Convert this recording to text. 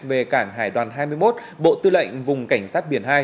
về cảng hải đoàn hai mươi một bộ tư lệnh vùng cảnh sát biển hai